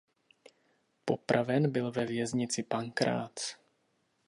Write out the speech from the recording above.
Popraven byl ve věznici Pankrác.